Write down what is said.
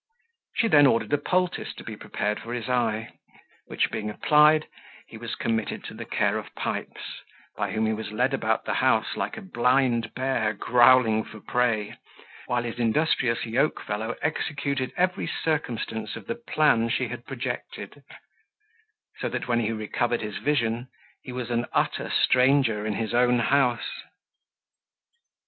She then ordered a poultice to be prepared for his eye, which being applied, he was committed to the care of Pipes, by whom he was led about the house like a blind bear growling for prey, while his industrious yoke fellow executed every circumstance of the plan she had projected; so that when he recovered his vision he was an utter stranger in his own house.